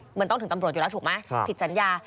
เหมือนต้องถึงตำรวจอยู่แล้วถูกไหมผิดสัญญา